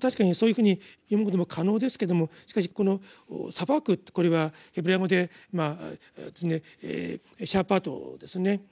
確かにそういうふうに読むことも可能ですけどもしかしこの「裁く」ってこれはヘブライ語で「シャーパト」ですね。